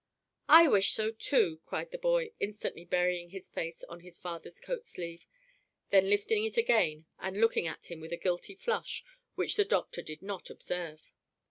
"I wish so, too," cried the boy, instantly burying his face on his father's coat sleeve, then lifting it again and looking at him with a guilty flush which the doctor did not observe.